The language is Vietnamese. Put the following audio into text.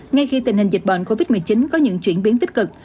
ngay khi tình hình dịch bệnh covid một mươi chín có những chuyển biến tích cực